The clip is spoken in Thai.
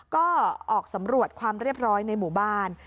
ก็ออกสำรวจความเรียบร้อยในหมู่บ้าน